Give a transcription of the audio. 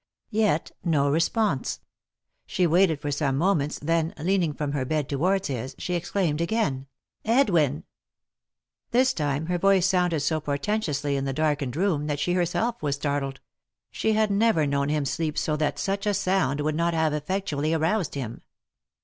Yet no response. She waited for some moments, then, leaning from her bed towards his, she exclaimed again :" Edwin 1 " This time her voice sounded so portentously in the darkened room that she herself was startled ; she had never known him sleep so that such a sound would not have effectually aroused him.